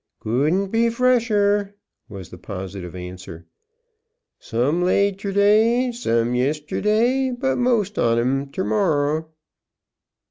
"Couldn't be fresher," was the positive answer. "Some laid terday, some yisterday, but most on 'em ter morrer."